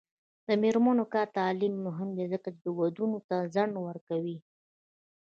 د میرمنو کار او تعلیم مهم دی ځکه چې ودونو ته ځنډ ورکوي.